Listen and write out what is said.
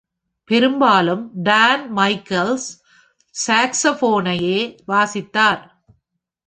பெரும்பாலும் Don Michaels சாக்ஸபோனையே வாசித்தார்.